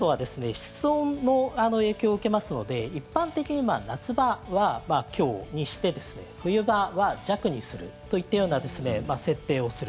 室温の影響を受けますので一般的に夏場は強にしてですね冬場は弱にするといったような設定をする。